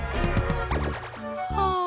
はあ。